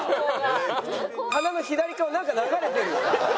鼻の左側なんか流れてる。